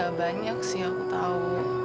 pasti gak banyak sih aku tau